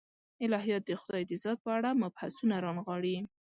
الهیات د خدای د ذات په اړه مبحثونه رانغاړي.